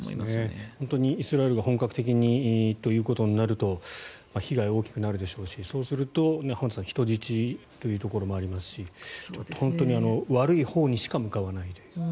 本当にイスラエルが本格的にということになると被害は大きくなるでしょうしそうなると浜田さん人質というところもありますし本当に悪いほうにしか向かわないという。